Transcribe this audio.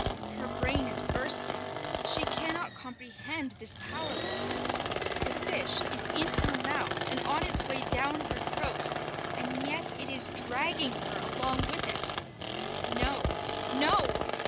Her brain is bursting; she cannot comprehend this powerlessness: the fish is in her mouth and on its way down her throat, and yet it is dragging her along with it. No! _No!